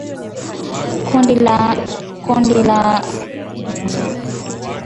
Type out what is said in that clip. Kundi la Hali ya kiislamu limedai kuhusika na shambulizi la jamuhuri ya kidemokrasia ya Kongo lililouwa watu kumi na tano